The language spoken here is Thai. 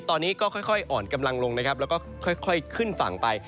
ตอนนี้ก็ค่อยอ่อนกำลังลงนะครับแล้วก็ค่อยขึ้นฝั่งไป